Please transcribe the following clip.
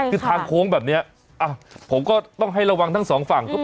คือทางโค้งแบบนี้ผมก็ต้องให้ระวังทั้งสองฝั่ง